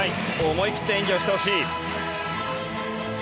思い切って演技をしてほしい。